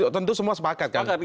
tentu semua sepakat kan